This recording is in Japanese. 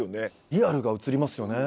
リアルが映りますよね。